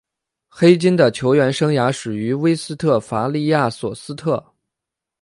黑金的球员生涯始于威斯特伐利亚索斯特。